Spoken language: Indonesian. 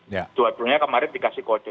dua duanya kemarin dikasih kode